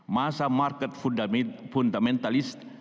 masa market fundamental